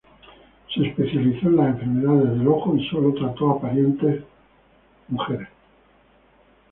Se especializó en las enfermedades del ojo y solo trató a pacientes mujeres.